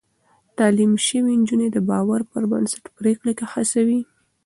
تعليم شوې نجونې د باور پر بنسټ پرېکړې هڅوي.